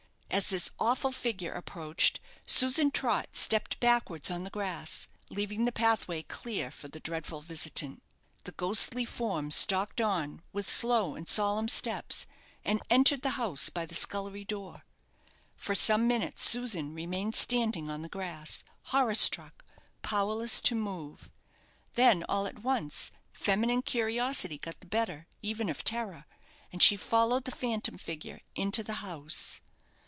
As this awful figure approached, Susan Trott stepped backwards on the grass, leaving the pathway clear for the dreadful visitant. The ghostly form stalked on with slow and solemn steps, and entered the house by the scullery door. For some minutes Susan remained standing on the grass, horror struck, powerless to move. Then all at once feminine curiosity got the better even of terror, and she followed the phantom figure into the house.